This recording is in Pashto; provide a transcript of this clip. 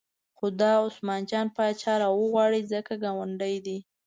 خو دا عثمان جان پاچا راوغواړئ ځکه ګاونډی دی.